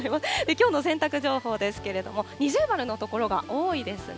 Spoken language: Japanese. きょうの洗濯情報ですけれども、二重丸の所が多いですね。